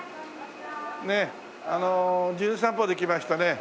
あの『じゅん散歩』で来ましたね